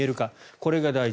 これが大事。